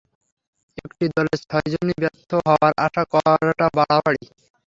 একটি দলের ছয়জনই ব্যর্থ হওয়ার আশা করাটা বাড়াবাড়ি।